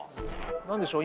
何でしょう